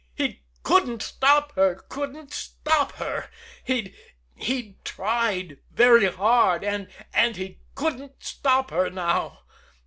He couldn't stop her couldn't stop her. He'd he'd tried very hard and and he couldn't stop her now.